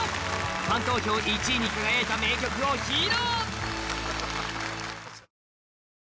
ファン投票１位に輝いた名曲を披露！